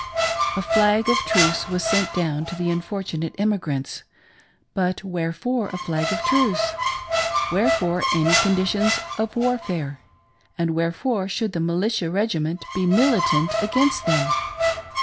A flag of truce was sent down to the unfortunate emi grants: but wherefore a flag of truce.' — wherefore any condi tions of warfare .' and wherefore should the militia regiment be militant against them